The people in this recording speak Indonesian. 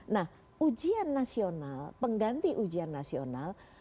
nah ujian nasional pengganti ujian nasional